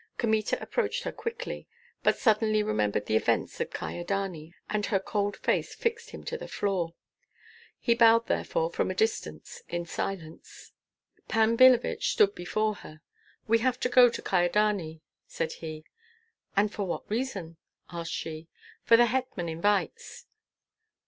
Kmita approached her quickly, but suddenly remembered the events of Kyedani, and her cold face fixed him to the floor; he bowed therefore from a distance, in silence. Pan Billevich stood before her. "We have to go to Kyedani," said he. "And for what reason?" asked she. "For the hetman invites."